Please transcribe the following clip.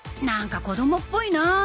なんか子どもっぽいな